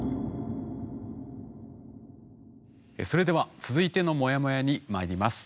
それでは続いてのモヤモヤにまいります。